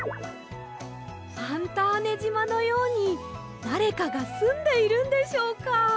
ファンターネじまのようにだれかがすんでいるんでしょうか！